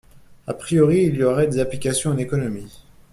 A priori il y aurait des applications en économie